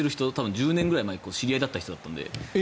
１０年くらい前に知り合いだった人だったので。